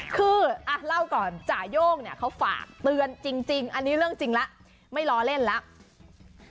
คือเล่าก่อนจ่าย่งเนี่ยเขาฝากเตือนจริงอันนี้เรื่องจริงแล้วไม่ล้อเล่นแล้ว